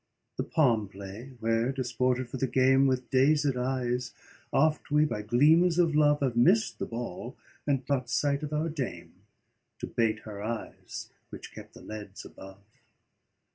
The palm play, where desported for the game, With dazed eyes oft we, by gleams of love, Have missed the ball, and got sight of our dame, To bait her eyes, which kept the leads above.